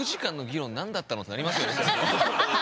ってなりますよね。